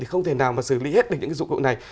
thì không thể nào mà xử lý hết được những cái dụng cụ này